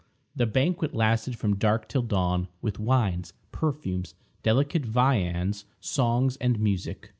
The banquet lasted from dark till dawn, with wines, perfumes, delicate viands, songs, and music.